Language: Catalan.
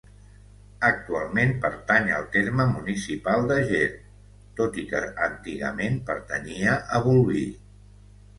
Actualment pertany al terme municipal de Ger tot i que antigament pertanyia a Bolvir.